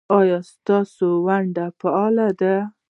ایا ستاسو ونډه فعاله ده؟